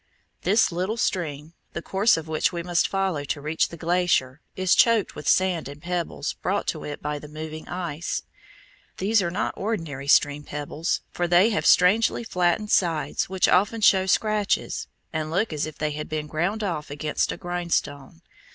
This little stream, the course of which we must follow to reach the glacier, is choked with sand and pebbles brought to it by the moving ice. These are not ordinary stream pebbles, for they have strangely flattened sides which often show scratches, and look as if they had been ground off against a grindstone.